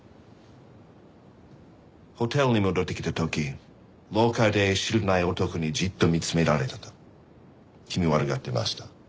ホテルに戻ってきた時廊下で知らない男にじっと見つめられたと気味悪がっていました。